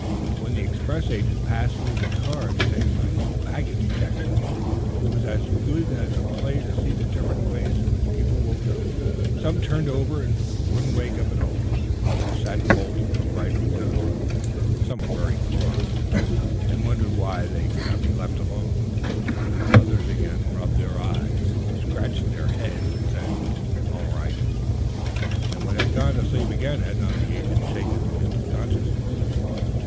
When the express agent passed through the car to take the baggage checks, it was as good as a play to see the different ways in which people woke up. Some turned over and wouldn't wake up at all; others sat bolt upright and blinked; some were very cross, and wondered why they could not be let alone; others, again, rubbed their eyes, scratched their heads, said "All right," and would have gone to sleep again had not the agent shaken them into consciousness.